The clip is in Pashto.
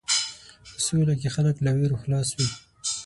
په سوله کې خلک له وېرو خلاص وي.